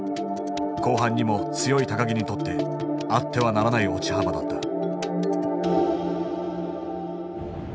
後半にも強い木にとってあってはならない落ち幅だった。